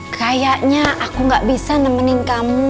kayaknya aku gak bisa nemenin kamu